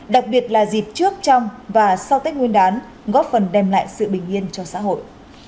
đặc biệt là dịp trước trong và sau tết nguyên đán góp phần đem lại sự bình yên cho xã hội